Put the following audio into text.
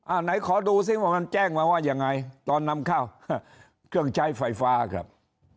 ไหนขอดูซิว่ามันแจ้งมาว่ายังไงตอนนำเข้าเครื่องใช้ไฟฟ้าครับ